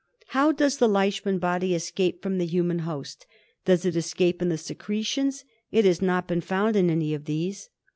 How does the Leishman body escape from the human host ? Does it escape in the secretions ? It has not been found in any of these.